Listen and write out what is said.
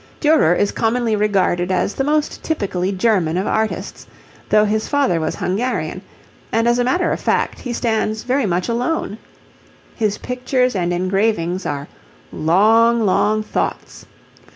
Durer is commonly regarded as the most typically German of artists, though his father was Hungarian, and as a matter of fact he stands very much alone. His pictures and engravings are 'long, long thoughts.'